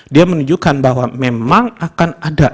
dia menunjukkan bahwa memang akan ada